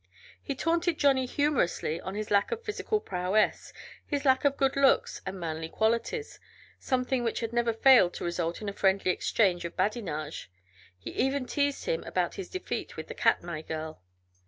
He taunted Johnny humorously on his lack of physical prowess, his lack of good looks and manly qualities something which had never failed to result in a friendly exchange of badinage; he even teased him about his defeat with the Katmai girl.